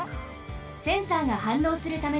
センサーがはんのうするためです。